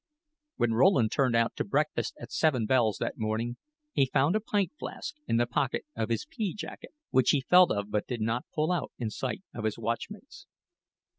When Rowland turned out to breakfast at seven bells that morning, he found a pint flask in the pocket of his pea jacket, which he felt of but did not pull out in sight of his watchmates.